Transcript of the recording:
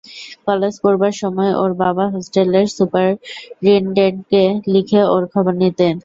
কলেজে পড়বার সময় ওর বাবা হোস্টেলের সুপারিন্টেন্ডেন্টকে লিখে ওর খবর নিতেন।